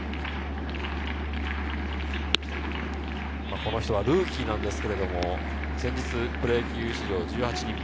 この人はルーキーですけれど、先日、プロ野球史上１８人目。